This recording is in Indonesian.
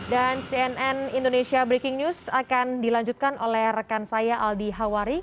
dan sien indonesia breaking news akan dilanjutkan oleh rekan saya aldi hawari